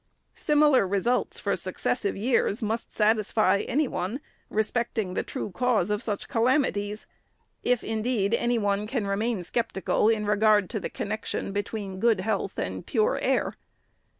Similar re sults for successive years must satisfy any one, respecting the true cause of such calamities ; if, indeed, any one can remain sceptical in regard to the connection between good health and pure air.